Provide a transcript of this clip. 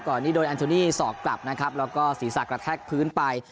นี้โดยแอนโทนี่สอกกลับนะครับแล้วก็ศีรษะกระแทกพื้นไป